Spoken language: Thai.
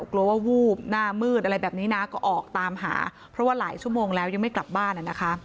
กลัวว่าวูบหน้ามืดอะไรแบบนี้นะก็ออกตามหาเพราะว่าหลายชั่วโมงแล้วยังไม่กลับบ้านนะคะ